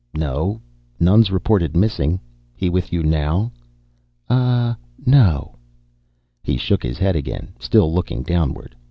"No, none's reported missing. He with you now?" "Ah no." He shook his head again, still looking downward.